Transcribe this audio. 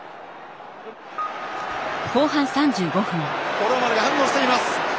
五郎丸が反応しています。